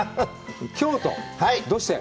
京都、どうして？